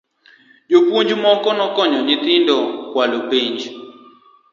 Japuonj moro nokonyo nyithindo kwalo penj